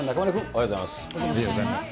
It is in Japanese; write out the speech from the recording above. おはようございます。